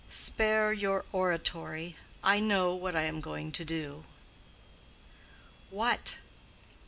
"Spare your oratory. I know what I am going to do." "What?"